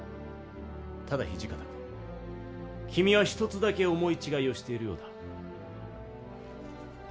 ただ土方君君は一つだけ思い違いをしているようだ。